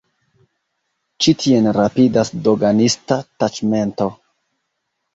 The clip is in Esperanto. Ĉi tien rapidas doganista taĉmento.